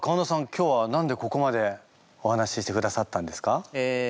今日は何でここまでお話ししてくださったんですか？